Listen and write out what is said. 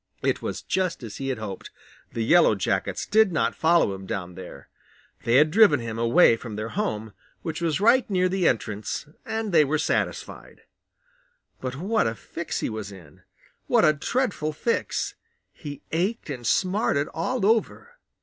It was just as he had hoped; the Yellow Jackets did not follow him down there. They had driven him away from their home, which was right near the entrance, and they were satisfied. But what a fix he was in! What a dreadful fix! He ached and smarted all over.